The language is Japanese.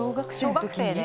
小学生で。